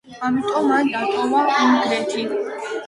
ამიტომ მან დატოვა უნგრეთი.